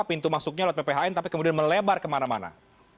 pintu masuknya lewat pphn tapi kemudian melebar kemana mana